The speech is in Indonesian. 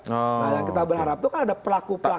nah yang kita berharap itu kan ada pelaku pelaku